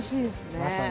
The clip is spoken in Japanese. まさに。